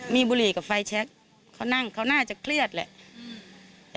มีบุหรี่กับไฟแชคเขานั่งเขาน่าจะเครียดแหละ